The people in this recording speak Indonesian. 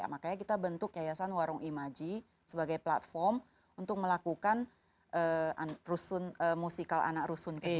makanya kita bentuk yayasan warung imaji sebagai platform untuk melakukan rusun musikal anak rusun kita